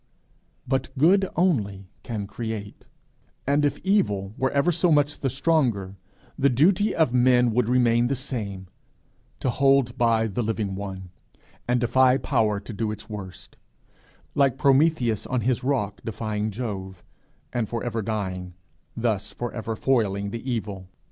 But Good only can create; and if Evil were ever so much the stronger, the duty of men would remain the same to hold by the Living One, and defy Power to its worst like Prometheus on his rock, defying Jove, and for ever dying thus for ever foiling the Evil.